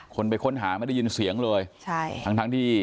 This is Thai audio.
คนไปค้นถาไม่ได้ยินเสียงเลยทั้งที่